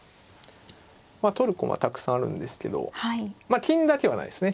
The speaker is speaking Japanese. まあ取る駒たくさんあるんですけど金だけはないですね。